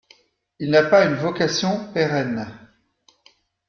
Il n’a pas une vocation pérenne.